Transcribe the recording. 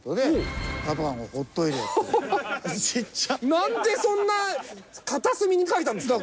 なんでそんな片隅に書いたんですか？